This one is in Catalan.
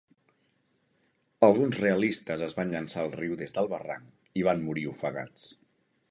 Alguns realistes es van llançar al riu des del barranc i van morir ofegats.